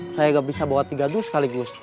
saya gak bisa bawa tiga duk sekaligus